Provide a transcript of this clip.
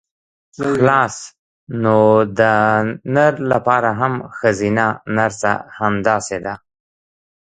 خلاص نو د نر لپاره هم ښځينه نرسه همداسې ده.